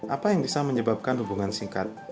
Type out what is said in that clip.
apa yang bisa menyebabkan hubungan singkat